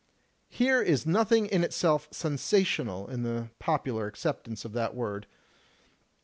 Here is nothing in itself 'sensational' in the popular acceptance of that word.